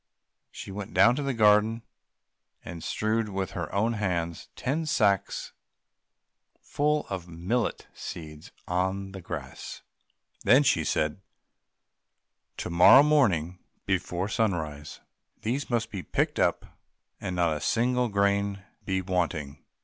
She went down into the garden and strewed with her own hands ten sacks full of millet seed on the grass; then she said, "To morrow morning before sunrise these must be picked up, and not a single grain be wanting."